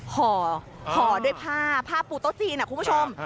ห่อด้วยผ้าผ้าปูโต๊ะจีนคุณผู้ชม